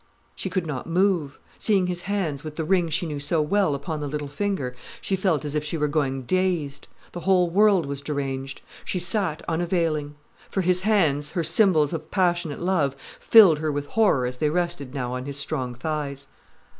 She could not move. Seeing his hands, with the ring she knew so well upon the little finger, she felt as if she were going dazed. The whole world was deranged. She sat unavailing. For his hands, her symbols of passionate love, filled her with horror as they rested now on his strong thighs.